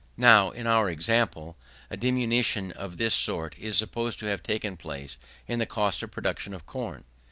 Now, in our example, a diminution of this sort is supposed to have taken place in the cost of production of corn.